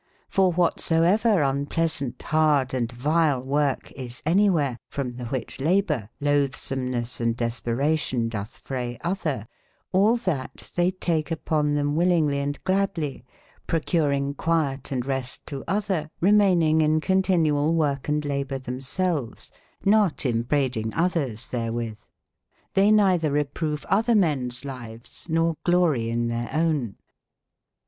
^ for wbat so ever unpleasaunt, barde, and vile worke IS anye wbere, from tbe wbicbe labour, lotbsomnes, and desperation dotb fray otber, al tbat tbey take upon tbem will ingly & gladly, procuring quiete & rest to otber, remaininge in continual woorke & labourtbemselves, notembraidingeotb/ ers tberewitbXbey neitber reprove otber mens lives, nor glorie in tbeire owne. 244 ?